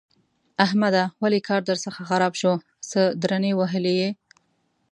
احمده! ولې کار درڅخه خراب شو؛ څه درنې وهلی يې؟!